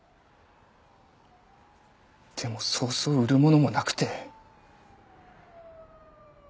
でもそうそう売るものもなくて。